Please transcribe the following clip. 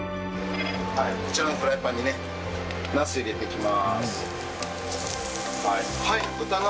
こちらのフライパンにねナス入れていきます。